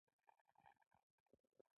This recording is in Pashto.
چای د زړونو ملګری دی.